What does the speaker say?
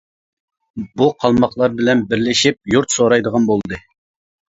بۇ قالماقلار بىلەن بىرلىشىپ يۇرت سورايدىغان بولدى.